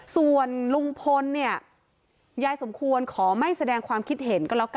ส่วนลุงพลเนี่ยยายสมควรขอไม่แสดงความคิดเห็นก็แล้วกัน